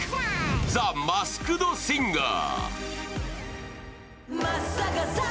「ザ・マスクド・シンガー」。